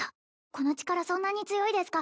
この力そんなに強いですか？